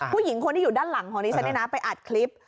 ผู้หญิงคนที่อยู่ด้านหลังของดิฉันเนี่ยนะไปอัดคลิป